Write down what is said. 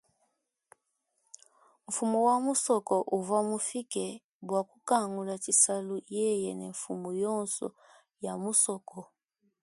Mfumu wa musoko uvwa mufike bwa kukangula tshisalu yeye ne mfumu yonso ya musoko.